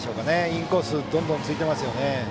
インコースにどんどん突いていますよね。